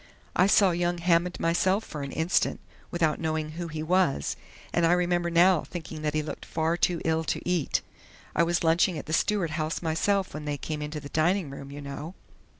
I saw young Hammond myself for an instant, without knowing who he was, and I remember now thinking that he looked far too ill to eat. I was lunching at the Stuart House myself when they came into the dining room, you know."